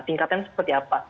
tingkatannya seperti apa